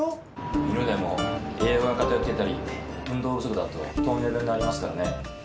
犬でも栄養が偏っていたり運動不足だと糖尿病になりますからね。